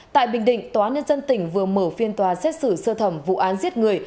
tại bình định tòa nhân dân tỉnh vừa mở phiên tòa xét xử sơ thẩm vụ án giết người